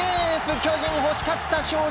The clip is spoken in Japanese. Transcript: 巨人、欲しかった勝利！